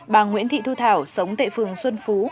bà nguyễn thị thu thảo sống tại phường xuân phú